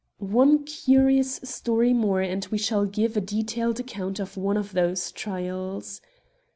One curious story more, and we shall give a detailed account of one of these trials.